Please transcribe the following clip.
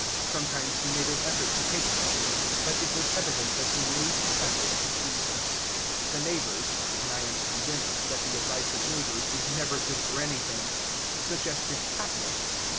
Sometimes he made an effort to take something, but it was evident that he made the effort to please us. The neighbors and I am convinced that the advice of neighbors is never good for anything suggested catnip.